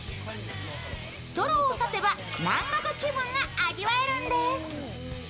ストローをさせば南国気分が味わえるんです。